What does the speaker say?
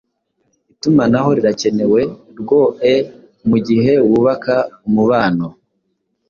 itumanaho rirakenewe rwoe mugihe wubaka umubano,